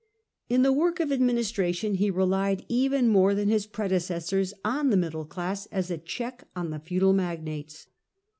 In the work of administration he relied even more than his predecessors on the middle class, as a check on the feudal magnates.